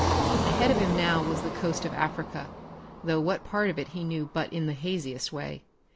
Ahead of him now was the coast of Africa, though what part of it he knew but in the haziest way.